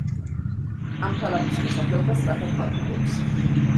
ამ ქალაქის მოსახლეობა სწრაფად მატულობს.